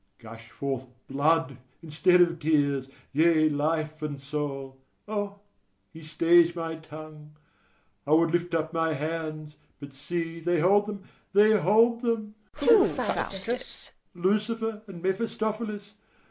Gush forth blood, instead of tears! yea, life and soul! O, he stays my tongue! I would lift up my hands; but see, they hold them, they hold them! ALL. Who, Faustus? FAUSTUS. Lucifer and Mephistophilis.